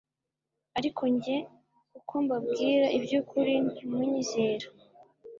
Ariko jye kuko mbabwira iby'ukuri ntimunyizera.»